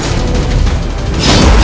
mereka semua dipelahkan